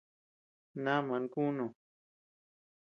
Naaman kunuu.